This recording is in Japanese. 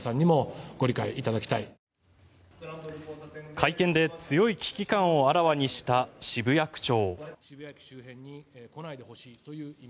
会見で強い危機感をあらわにした渋谷区長。